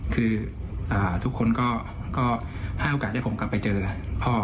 คือทุกคนก็ให้โอกาสที่ผมกลับไปเจอพ่อ